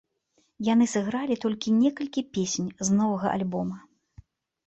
Яны сыгралі толькі некалькі песень з новага альбома.